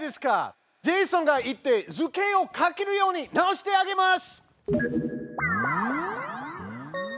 ジェイソンが行って図形を描けるように直してあげます！